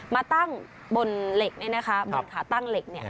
มาตั้งบนเหล็กนี่นะคะบนขาตั้งเหล็กนี่